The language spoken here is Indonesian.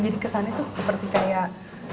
jadi kesannya tuh seperti kayak